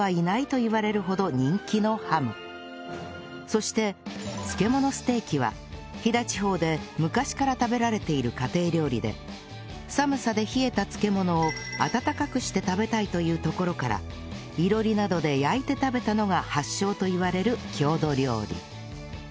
そして漬物ステーキは飛騨地方で昔から食べられている家庭料理で寒さで冷えた漬物を温かくして食べたいというところから囲炉裏などで焼いて食べたのが発祥といわれる郷土料理